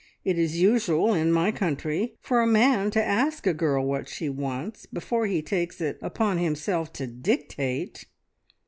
It is usual in my country for a man to ask a girl what she wants, before he takes it upon himself to dictate!'